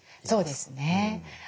そうですね。